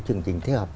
chương trình thiết học